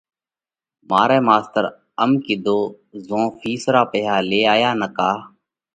مارئہ ماستر ام ڪِيڌوه: زون فِيس را پئِيها ليايا نڪا